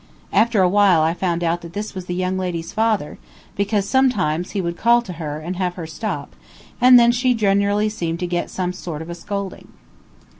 After a while I found out that this was the young lady's father, because sometimes he would call to her and have her stop, and then she generally seemed to get some sort of a scolding.